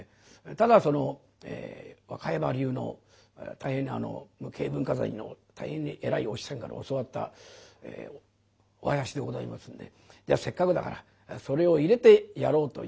ただ若山流の大変に無形文化財の大変に偉いお師匠さんから教わったお囃子でございますんでじゃあせっかくだからそれを入れてやろうというこういうわけで。